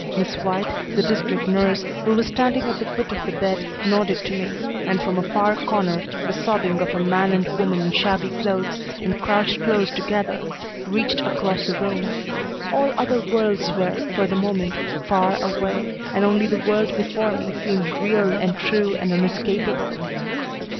Miss White, the district nurse, who was standing at the foot of the bed, nodded to me, and from a far corner the sobbing of a man and woman in shabby clothes, and crouched close together, reached across the room. All other worlds were, for the moment, far away, and only the world before me seemed real and true and unescapable.